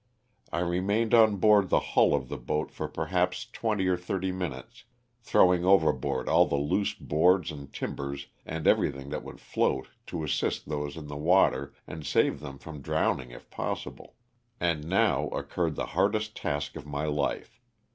I remained on board the hull of the boat for perhaps twenty or thirty minutes, throwing overboard all the loose boards and timbers and everything that would float to assist those in the water and save them from drowning if possible. And now occurred the hardest task of my life.